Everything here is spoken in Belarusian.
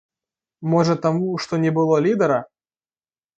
Можа таму, што не было лідэра?